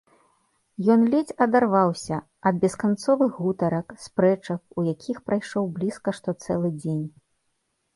Ён ледзь адарваўся ад бесканцовых гутарак, спрэчак, у якіх прайшоў блізка што цэлы дзень.